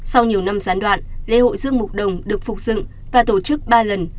sau nhiều năm gián đoạn lễ hội dương mục đồng được phục dựng và tổ chức ba lần